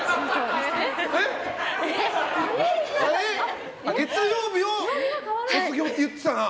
確かに、月曜日を卒業って言ってたな。